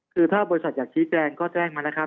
คือถ้าบริษัทอยากชี้แจงก็แจ้งมานะครับ